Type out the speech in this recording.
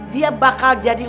dia bakal jadi